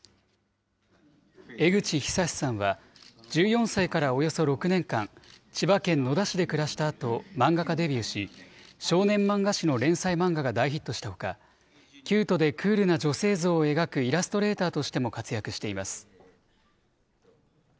江口寿史さんは１４歳からおよそ６年間、千葉県野田市で暮らしたあと漫画家デビューし、少年漫画誌の連載漫画が大ヒットしたほか、キュートでクールな女性像を描くイラストレーターとしても活躍しています。